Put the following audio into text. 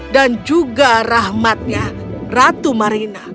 dan juga rahmatnya ratu marina